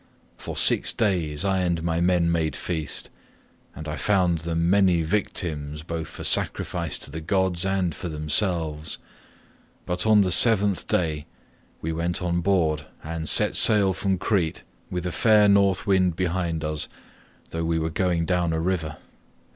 For six days I and my men made feast, and I found them many victims both for sacrifice to the gods and for themselves, but on the seventh day we went on board and set sail from Crete with a fair North wind behind us though we were going down a river.